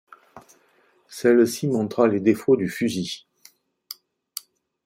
Celle-ci montra les défauts du fusil.